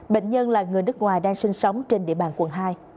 bệnh nhân là người nước ngoài đang sinh sống trên địa bàn quận hai